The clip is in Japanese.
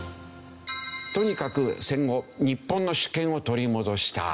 とにかく戦後日本の主権を取り戻した。